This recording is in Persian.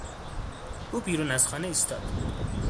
او بیرون از خانه ایستاد.